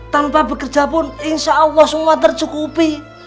tanpa bekerja pun insya allah semua tercukupi